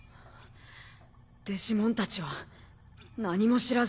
デジモンたちは何も知らずに。